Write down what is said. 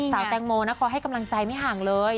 สาวแตงโมนะคอยให้กำลังใจไม่ห่างเลย